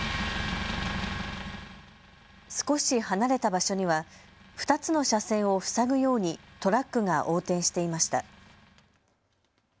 少し離れた場所には２つの車線を塞ぐようにトラックが横転していました。